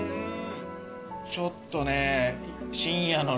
ちょっとね。